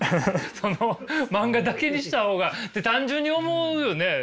その漫画だけにした方がって単純に思うよね。